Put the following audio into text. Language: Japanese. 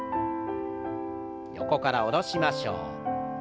横から下ろしましょう。